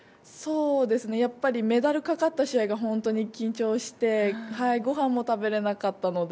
やっぱりメダルかかった試合が本当に緊張してごはんも食べれなかったので。